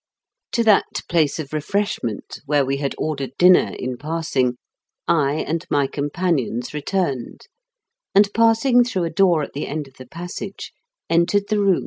To that place of refreshment, where we had ordered dinner in passing, I and my com panions returned, and, passing through a door at the end of the passage, entered the room THE LEATHER BOTTLE.